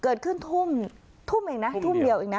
เกิดขึ้นทุ่มทุ่มเองนะทุ่มเดียวทุ่มเดียวเองนะ